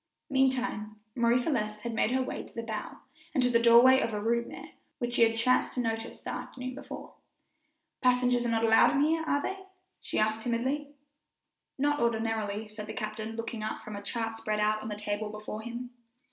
Meantime, Marie Celeste had made her way to the bow, and to the doorway of a room there, which she had chanced to notice the afternoon before. "Passengers are not allowed in here, are they?" she asked timidly. [Illustration: 0035] "Not ordinarily," said the captain, looking up from a chart spread out on a table before him.